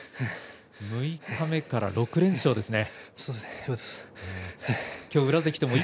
六日目から６連勝ですね。